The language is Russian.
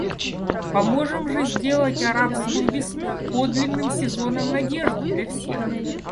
Поможем же сделать «арабскую весну» подлинным сезоном надежды для всех.